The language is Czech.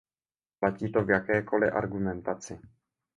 Platí to v jakékoli argumentaci.